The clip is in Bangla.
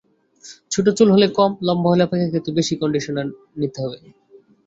ছোট চুল হলে কম, লম্বা হলে অপেক্ষাকৃত বেশি কন্ডিশনার নিতে হবে।